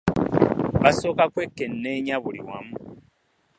Basooka kwekenneenya buli wamu.